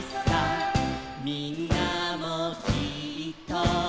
「みんなもきっと」